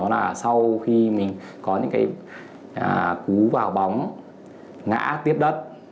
là sau khi mình có những cú vào bóng ngã tiếp đất